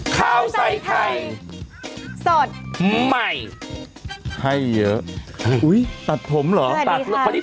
ข้าวใส่ไทยสดใหม่ให้เยอะอุ๊ยตัดผมเหรอตัดตัดจริงเลย